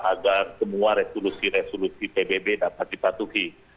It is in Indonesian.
agar semua resolusi resolusi pbb dapat dipatuhi